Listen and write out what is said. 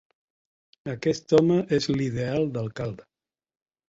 Aquest home és l'ideal d'alcalde.